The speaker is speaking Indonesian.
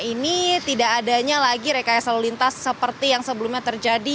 ini tidak adanya lagi rekayasa lalu lintas seperti yang sebelumnya terjadi